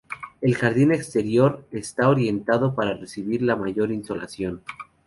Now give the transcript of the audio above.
El jardín exterior está orientado para recibir la mayor insolación.